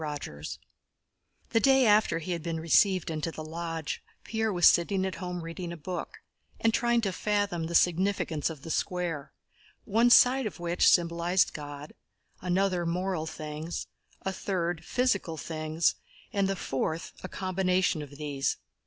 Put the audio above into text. CHAPTER V The day after he had been received into the Lodge, Pierre was sitting at home reading a book and trying to fathom the significance of the Square, one side of which symbolized God, another moral things, a third physical things, and the fourth a combination of these.